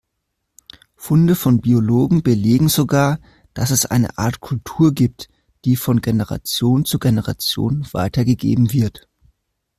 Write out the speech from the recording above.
Funde von Biologen belegen sogar, dass es eine Art Kultur gibt, die von Generation zu Generation weitergegeben wird.